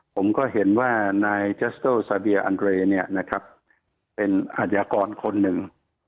ผมก็เห็นว่านายจัสโตซาเบียอันเรย์เป็นอาชญากรคนหนึ่ง